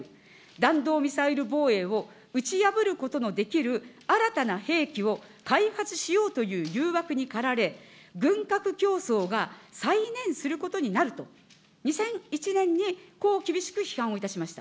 弾道ミサイル防衛を、打ち破ることのできる新たな兵器を開発しようという誘惑にかられ、軍拡競争が再燃することになると、２００１年にこう厳しく批判をいたしました。